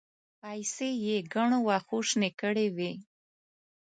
پايڅې يې ګڼو وښو شنې کړې وې.